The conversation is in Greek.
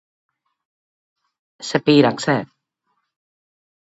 Σε πείραξε;